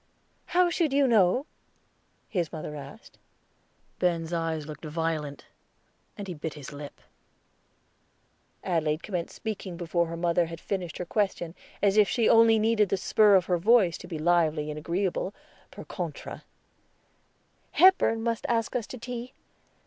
"How should you know?" his mother asked. Ben's eyes looked violent and he bit his lips. Adelaide commenced speaking before her mother had finished her question, as if she only needed the spur of her voice to be lively and agreeable, per contra. "Hepburn must ask us to tea.